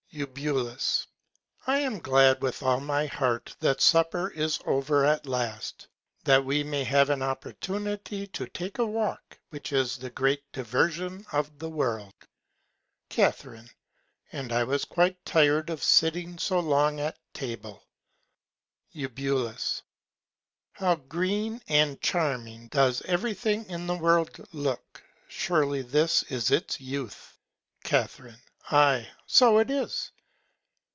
Eub. I am glad with all my Heart, that Supper is over at last, that we may have an Opportunity to take a Walk, which is the greatest Diversion in the World. Ca. And I was quite tir'd of sitting so long at Table. Eu. How green and charming does every Thing in the World look! surely this is its Youth. Ca. Ay, so it is.